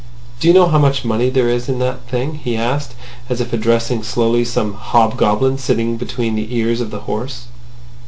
"Do you know how much money there is in that thing?" he asked, as if addressing slowly some hobgoblin sitting between the ears of the horse.